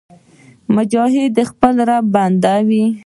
مجاهد د خپل رب بنده وي.